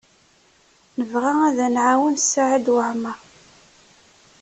Nebɣa ad nɛawen Saɛid Waɛmaṛ.